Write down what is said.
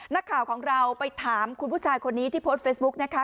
นักข่าวของเราไปถามคุณผู้ชายคนนี้ที่โพสต์เฟซบุ๊กนะคะ